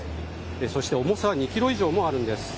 そして重さは２ｋｇ以上もあるんです。